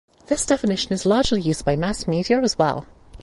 This definition is largely used by mass media as well.